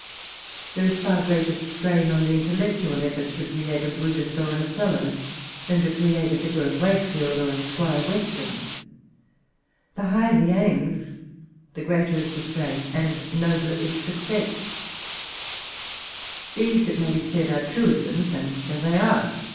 There is far grater strain on the intellec tual efSrt to create a Brutus or an Othello, tl)an to create a Yicar of Wakefield or a Squire Western. The higher the aims, the greater is the strain, and the nobler is success. 1859.] The Novels of Jane Austen, 103 These, it; may be said, are traisms ; and 80 they are.